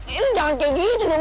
eh lo jangan kayak gitu dong